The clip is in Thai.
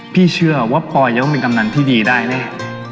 พี่เชื่อว่าพลอยยังต้องเป็นกำนันที่ดีได้แน่